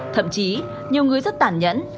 thậm chí nhiều người rất tản nhẫn